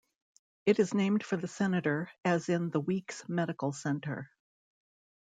It is named for the senator, as is the Weeks Medical Center.